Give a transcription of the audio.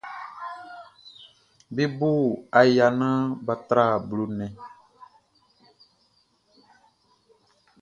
Be bo aya naan bʼa tra blo nnɛn.